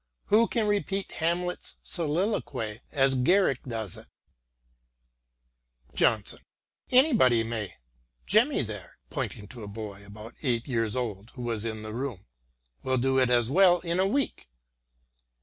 Who can repeat Hamlet's soliloquy as Garrick does it ?" Johnson :" Anybody may ; Jemmy there "— ^pointing to a boy about eight years old who was in the room —" will do it as well in a week."